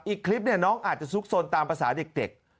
อีกคลิปน้องอาจจะซุกซนตามภาษาเด็ก